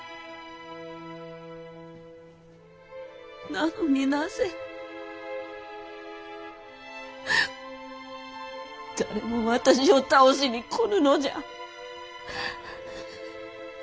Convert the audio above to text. なのになぜ誰も私を倒しに来ぬのじゃ？